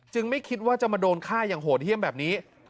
ไม่คิดว่าจะมาโดนฆ่าอย่างโหดเยี่ยมแบบนี้